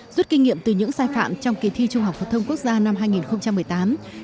rút kinh nghiệm từ những sai phạm trong kỳ thi trung học phổ thông quốc gia năm hai nghìn một mươi tám